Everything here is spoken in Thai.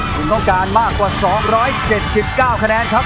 คุณต้องการมากกว่าสองร้อยเจ็ดสิบเก้าคะแนนครับ